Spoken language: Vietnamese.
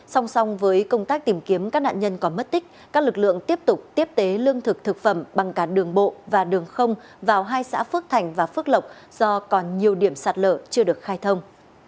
song song với công tác tìm kiếm các nạn nhân có mất tích các lực lượng tiếp tục tiếp tế lương thực thực phẩm bằng cả đường bộ và đường không vào hai xã phước thành và phước lộc do còn nhiều điểm sạt lở chưa được khai thông